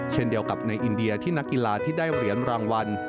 เช่นเดียวกับในอินเดียที่นักกีฬาที่ได้เหรียญรางวัล